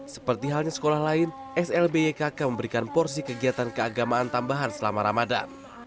seperti halnya sekolah lain slbykk memberikan porsi kegiatan keagamaan tambahan selama ramadan